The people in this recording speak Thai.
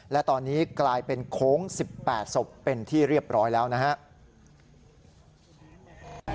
และตอนนี้กลายเป็นโค้ง๑๘ศพเป็นที่เรียบร้อยแล้วนะครับ